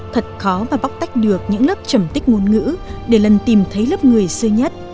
thật khó và bóc tách được những lớp trầm tích ngôn ngữ để lần tìm thấy lớp người xưa nhất